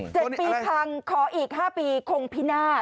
๗ปีพังขออีกห้าปีคงพินาศ